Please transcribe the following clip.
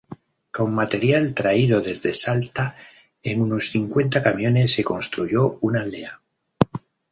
Con material traído desde Salta en unos cincuenta camiones se construyó una aldea.